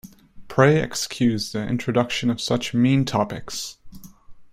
Pray excuse the introduction of such mean topics.